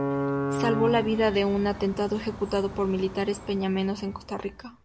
Salvó la vida en un atentado ejecutado por militares panameños en Costa Rica.